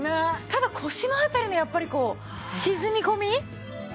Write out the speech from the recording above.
ただ腰の辺りのやっぱりこう沈み込み。